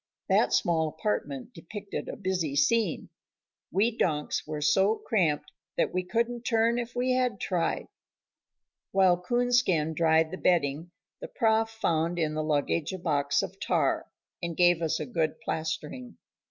That small apartment depicted a busy scene. We donks were so cramped that we couldn't turn if we had tried. While Coonskin dried the bedding, the Prof found in the luggage a box of tar, and gave us a good plastering.